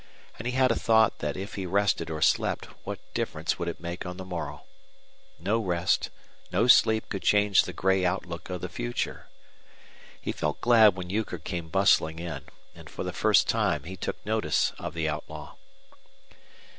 And he had a thought that if he rested or slept what difference would it make on the morrow? No rest, no sleep could change the gray outlook of the future. He felt glad when Euchre came bustling in, and for the first time he took notice of the outlaw.